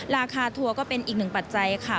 ทัวร์ก็เป็นอีกหนึ่งปัจจัยค่ะ